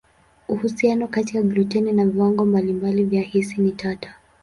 Uhusiano kati ya gluteni na viwango mbalimbali vya hisi ni tata.